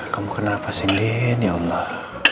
kamu kenapa sih din ya allah